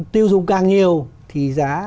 tiêu dùng càng nhiều thì giá